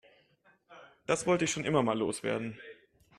Das wollte ich schon immer mal loswerden.